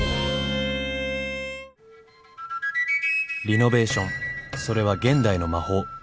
リノベーションそれは現代の魔法。